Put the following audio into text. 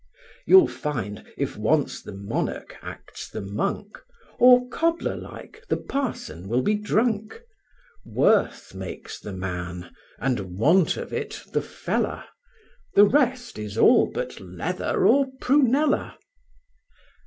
You'll find, if once the monarch acts the monk, Or, cobbler like, the parson will be drunk, Worth makes the man, and want of it, the fellow; The rest is all but leather or prunella.